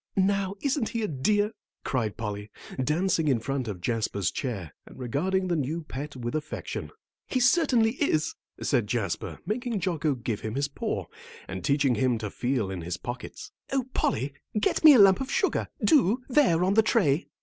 "Now, isn't he a dear?" cried Polly, dancing in front of Jasper's chair, and regarding the new pet with affection. "He certainly is," said Jasper, making Jocko give him his paw, then teaching him to feel in his pockets. "Oh, Polly, get me a lump of sugar, do; there on the tray."